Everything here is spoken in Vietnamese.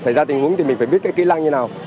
xảy ra tình huống thì mình phải biết cái kỹ năng như nào